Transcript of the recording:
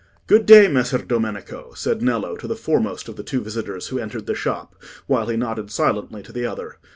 "Good day, Messer Domenico," said Nello to the foremost of the two visitors who entered the shop, while he nodded silently to the other.